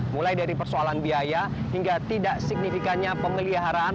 mulai dari persoalan biaya hingga tidak signifikannya pemeliharaan